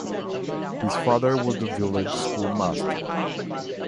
His father was the village schoolmaster.